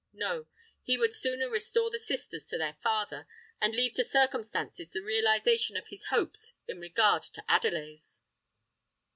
No: he would sooner restore the sisters to their father, and leave to circumstances the realization of his hopes in regard to Adelais!